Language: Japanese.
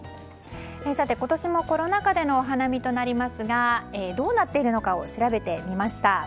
さて、今年もコロナ禍でのお花見となりますがどうなっているのかを調べてみました。